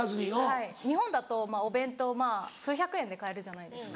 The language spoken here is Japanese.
はい日本だとお弁当まぁ数百円で買えるじゃないですか。